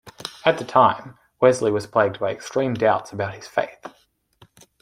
At the time, Wesley was plagued by extreme doubts about his faith.